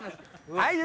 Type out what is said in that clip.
はい。